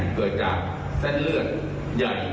เกิดจากเส้นเลือดใหญ่